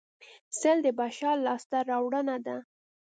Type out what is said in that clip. سل د بشر لاسته راوړنه ده